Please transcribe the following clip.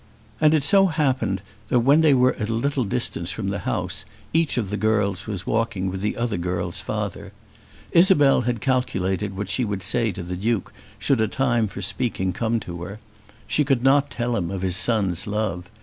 And it so happened when they were at a little distance from the house, each of the girls was walking with the other girl's father. Isabel had calculated what she would say to the Duke should a time for speaking come to her. She could not tell him of his son's love.